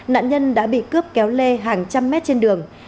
nạn nhân đã bị cướp kéo lê hàng trăm mét trên đường